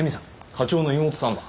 課長の妹さんだ。